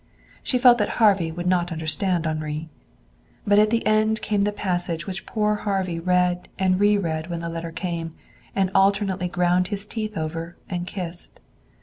She felt that Harvey would not understand Henri. But at the end came the passage which poor Harvey read and re read when the letter came, and alternately ground his teeth over and kissed.